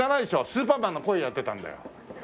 スーパーマンの声やってたんだよ。